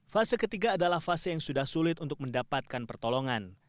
fase ketiga adalah fase yang sudah sulit untuk mendapatkan pertolongan